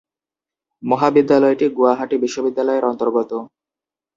মহাবিদ্যালয়টি গুয়াহাটি বিশ্ববিদ্যালয়ের অন্তর্গত।